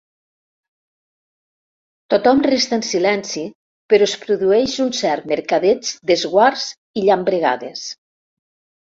Tothom resta en silenci, però es produeix un cert mercadeig d'esguards i llambregades.